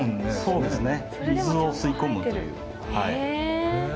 そうですね。